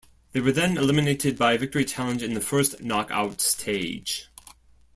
They were then eliminated by Victory Challenge in the first knock-out stage.